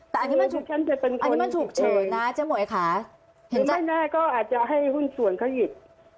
แต่อันนี้มันอันนี้มันถูกเฉยนะเจ๊หมวยค่ะหรือไม่แน่ก็อาจจะให้หุ้นส่วนเขาหยิบ